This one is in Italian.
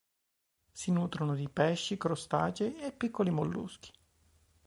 Si nutrono di pesci, crostacei e piccoli molluschi.